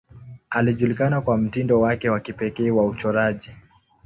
Alijulikana kwa mtindo wake wa kipekee wa uchoraji.